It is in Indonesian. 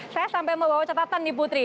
saya sampai mau bawa catatan nih putri